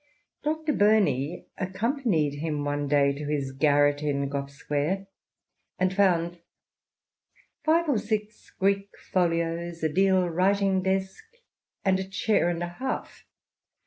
Dr. Bumey accompanied him one day to his garret in Gough Square and found " five or six Greek folios, a deal writii^ INTRODUCTION. xvii desk, and a chair and a half.